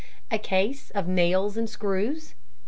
A case of nails and screws.